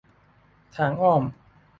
ทางอ้อม